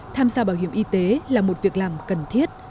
tham gia bảo hiểm y tế là một việc làm cần thiết